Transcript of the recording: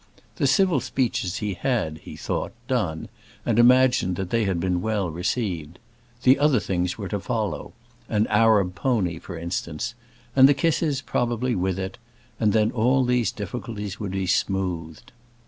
The civil speeches he had, he thought, done, and imagined that they had been well received. The other things were to follow; an Arab pony, for instance, and the kisses probably with it; and then all these difficulties would be smoothed.